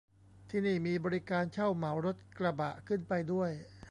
ที่นี่มีบริการเช่าเหมารถกระบะขึ้นไปด้วย